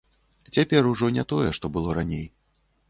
Цяпер ужо не тое, што было раней.